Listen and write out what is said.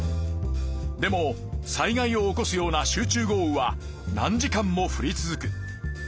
でも災害を起こすような集中豪雨は何時間も降り続く。